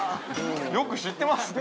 よく知ってますね。